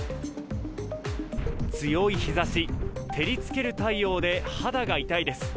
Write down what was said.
強い日ざし、照りつける太陽で、肌が痛いです。